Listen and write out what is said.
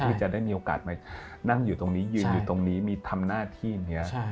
ที่จะได้มีโอกาสมานั่งอยู่ตรงนี้ยืนอยู่ตรงนี้มีทำหน้าที่อย่างนี้